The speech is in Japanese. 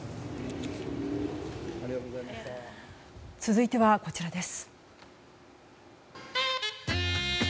続いては、こちらです。